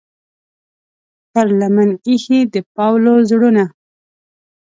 پر لمن ایښې د پاولو زړونه